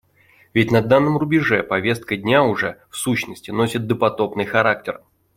Ведь на данном рубеже повестка дня уже, в сущности, носит допотопный характер.